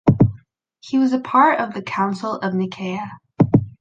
He was a part of the Council of Nicaea.